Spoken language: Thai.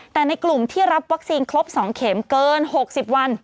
แต่ในกลุ่มที่รับวัคซีนครบ๒เข็มเกิน๖๐วัน